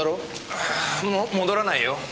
ああもう戻らないよ。